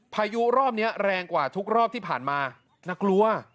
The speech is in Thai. พายุรอบนี้แรงกว่าทุกรอบที่ผ่านมาน่ากลัว